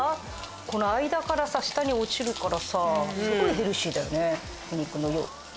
この間から下に落ちるからさすごいヘルシーだよねお肉の。